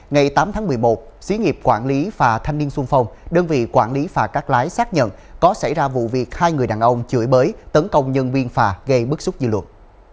ngày tám tháng một mươi một xí nghiệp quản lý phà thanh niên xuân phong đơn vị quản lý phà cắt lái xác nhận có xảy ra vụ việc hai người đàn ông chửi bới tấn công nhân viên phà gây bức xúc dư luận